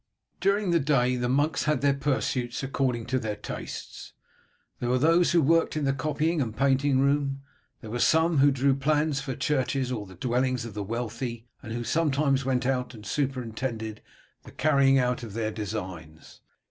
During the day the monks had their pursuits according to their tastes. There were those who worked in the copying and painting room. There were some who drew plans for churches or the dwellings of the wealthy, and who sometimes went out and superintended the carrying out of their designs.